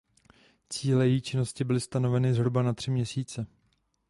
Cíle její činnosti byly stanoveny zhruba na tři měsíce.